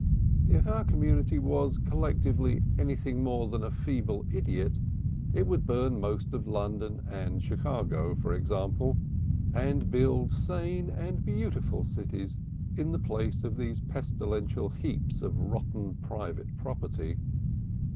If our community was collectively anything more than a feeble idiot, it would burn most of London and Chicago, for example, and build sane and beautiful cities in the place of these pestilential heaps of rotten private property.